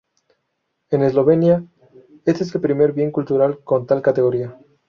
En Eslovenia, este es el primer bien cultural con tal categoría.